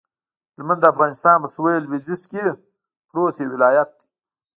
هلمند د افغانستان په سویل لویدیځ کې پروت یو ولایت دی